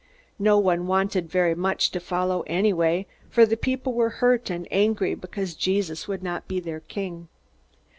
No one wanted very much to follow, anyway, for the people were hurt and angry because Jesus would not be their king.